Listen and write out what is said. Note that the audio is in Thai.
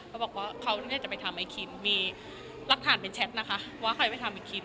เขาบอกว่าเขานี่แหละจะไปทำไอ้คิมมีรักฐานเป็นแชทนะคะว่าเขาจะไปทำไอ้คิม